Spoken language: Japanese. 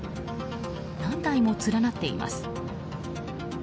何台も連なっています。